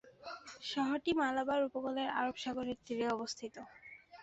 শহরটি মালাবার উপকূলে আরব সাগরের তীরে অবস্থিত।